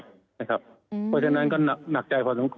เพราะฉะนั้นก็หนักใจพอสมควร